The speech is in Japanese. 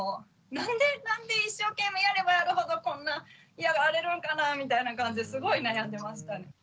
なんで一生懸命やればやるほどこんな嫌がられるんかなみたいな感じですごい悩んでましたね。